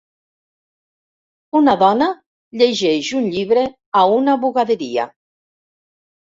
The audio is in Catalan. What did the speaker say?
Una dona llegeix un llibre a una bugaderia.